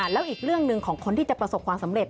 แล้วอีกเรื่องหนึ่งของคนที่จะประสบความสำเร็จ